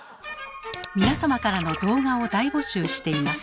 皆様からの動画を大募集しています。